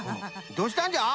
どうしたんじゃ？